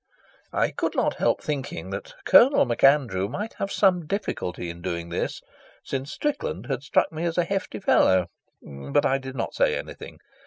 I could not help thinking that Colonel MacAndrew might have some difficulty in doing this, since Strickland had struck me as a hefty fellow, but I did not say anything.